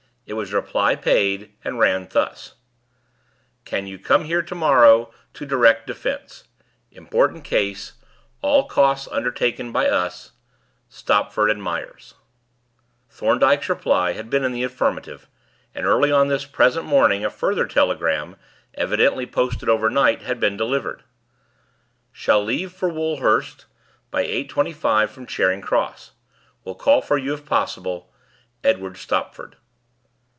It was reply paid, and ran thus: "Can you come here to morrow to direct defence? Important case. All costs undertaken by us. STOPFORD AND MYERS." Thorndyke's reply had been in the affirmative, and early on this present morning a further telegram evidently posted overnight had been delivered: "Shall leave for Woldhurst by 8.25 from Charing Cross. Will call for you if possible. EDWARD STOPFORD."